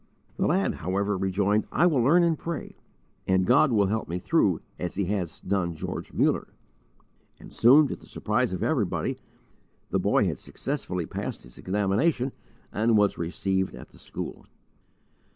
The lad, however, rejoined: "I will learn and pray, and God will help me through as He has done George Muller." And soon, to the surprise of everybody, the boy had successfully passed his examination and was received at the school.